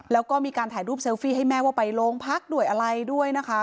แล้วก็มีการถ่ายรูปเซลฟี่ให้แม่ว่าไปโรงพักด้วยอะไรด้วยนะคะ